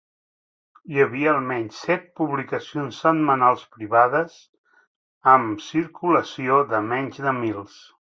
Hi havia almenys set publicacions setmanals privades amb circulació de menys de mils.